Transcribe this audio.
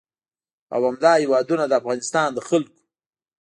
او همدا هېوادونه د افغانستان د خلکو